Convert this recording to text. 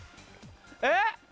えっ？